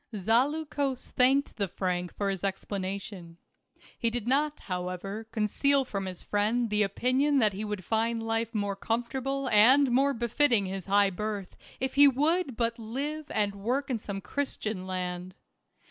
Zaleukos thanked the Frank for his explanation. He did not, however, conceal from his friend the opinion that he would find life more comfortable and more befitting his high birth if he would but live and work in some Christian land.